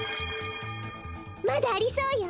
まだありそうよ。